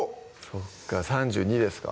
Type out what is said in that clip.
そっか３２ですか？